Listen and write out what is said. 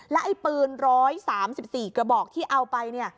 แล้วไอ้ปืน๑๓๔กระบอกที่เอาไป